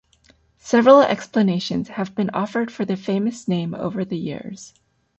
Several explanations have been offered for the famous name over the years.